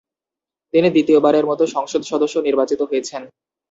তিনি দ্বিতীয়বারের মতো সংসদ সদস্য নির্বাচিত হয়েছেন।